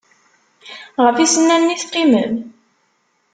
Ɣef yisennanen i teqqimem?